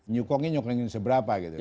nyukongin nyukongin seberapa gitu